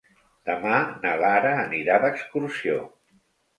Demà na Lara anirà d'excursió.